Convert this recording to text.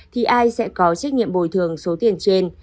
thì ai sẽ có trách nhiệm bồi thường số tiền trên